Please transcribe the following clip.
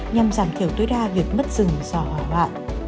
nhằm giảm thiểu tối đa việc mất rừng do hỏa hoạn